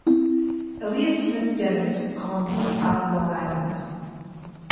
Elias Smith Dennis grandit à Long Island.